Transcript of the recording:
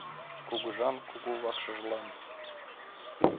Кугыжан кугу вакшыжлан.